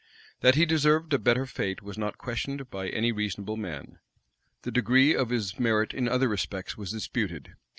That he deserved a better fate was not questioned by any reasonable man: the degree of his merit in other respects was disputed.